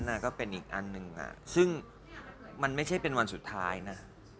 ก็เป็นอีกอันหนึ่งซึ่งมันไม่ใช่เป็นวันสุดท้ายนะ